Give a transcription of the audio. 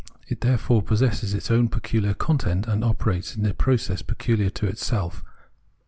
It therefore possesses its own peculiar content and operates in a process peculiar to itself.